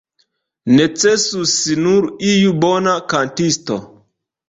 Necesus nur iu bona kantisto.